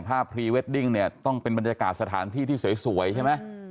พรีเวดดิ้งเนี่ยต้องเป็นบรรยากาศสถานที่ที่สวยใช่ไหม